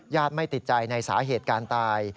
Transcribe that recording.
ญาติไม่ติดใจในสาเหตุการณ์ตาย